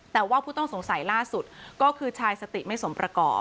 แต่ว่าผู้ต้องสงสัยล่าสุดก็คือชายสติไม่สมประกอบ